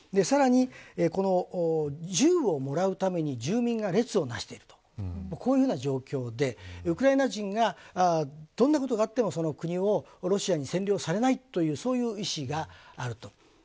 さらに、銃をもらうために住民が列をなしているこういう状況でウクライナ人がどんなことがあっても国をロシアに占領されないというそういう意思があると。